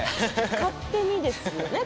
勝手にですよね？